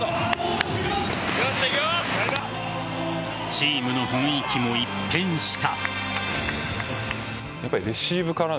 チームの雰囲気も一変した。